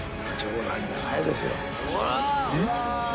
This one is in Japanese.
えっ？